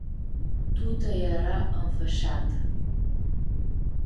Tutã eara ãnfãshatã.